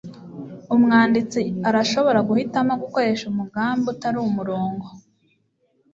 umwanditsi arashobora guhitamo gukoresha umugambi utari umurongo